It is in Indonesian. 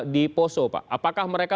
di poso pak apakah mereka